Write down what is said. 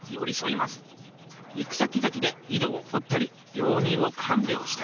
行くさきざきで井戸をほったりびょう人をかんびょうしたり。